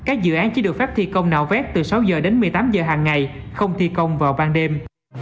các dự án chỉ được phép thi công nạo vét từ sáu h đến một mươi tám giờ hàng ngày không thi công vào ban đêm